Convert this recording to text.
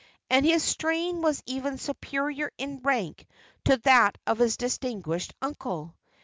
and his strain was even superior in rank to that of his distinguished uncle.